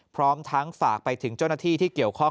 พร้อมทั้งฝากไปถึงเจ้าหน้าที่ที่เกี่ยวข้อง